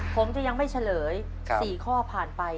ผมจะยังไม่เฉลย๔ข้อผ่านไป